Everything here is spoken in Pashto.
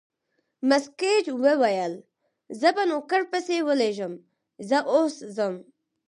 مس ګېج وویل: زه به نوکر پسې ولېږم، زه اوس ځم.